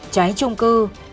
cháy trung cư